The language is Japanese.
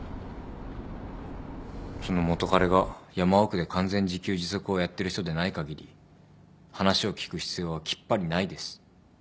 その元彼が山奥で完全自給自足をやってる人でないかぎり話を聞く必要はきっぱりないです。